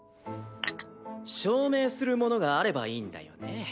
証明するものがあればいいんだよね。